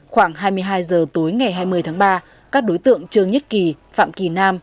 khoảng hai mươi hai giờ tối ngày hai mươi tháng ba các đối tượng trương nhất kỳ phạm kỳ nam